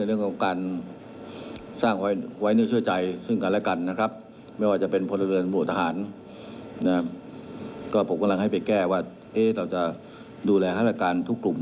เราจะดูแลฆาตการทุกกลุ่ม